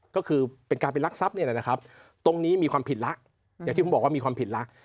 ก็คือเป็นการไปรักทรัพย์เนี่ยนะครับตรงนี้มีความผิดแล้วอย่างที่ผมบอกว่ามีความผิดแล้ว